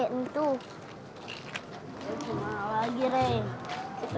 nek kan udah sepakat